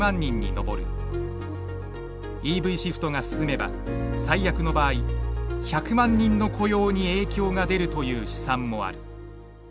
ＥＶシフトが進めば最悪の場合１００万人の雇用に影響が出るという試算もある。